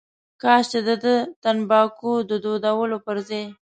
کاش چې دده تنباکو د دودولو پر ځای.